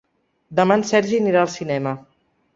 Demà en Sergi anirà al cinema.